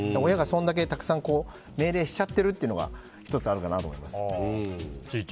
親がそんだけたくさん命令しちゃってるっていうのが１つあるかなと思います。